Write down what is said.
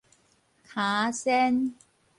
坩仔仙